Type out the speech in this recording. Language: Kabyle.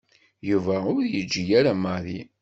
Yuba ur yeǧǧi ara Mary.